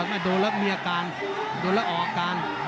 นะโดดแล้วมีอาการโดดแล้วออกการ